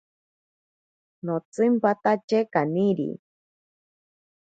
Notsimpatatye kaniri.